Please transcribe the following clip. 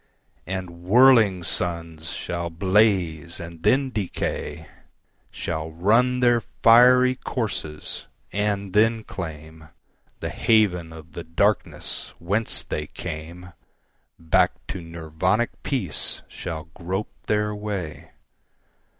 And whirling suns shall blaze and then decay, Shall run their fiery courses and then claimThe haven of the darkness whence they came; Back to Nirvanic peace shall grope their way.